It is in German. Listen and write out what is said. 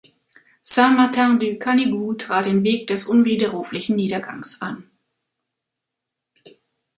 Saint-Martin du Canigou trat den Weg des unwiderruflichen Niedergangs an.